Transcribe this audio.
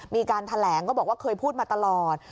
มีการแถลงก็บอกว่าเคยพูดมาตลอด